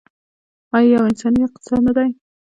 آیا یو انساني اقتصاد نه دی؟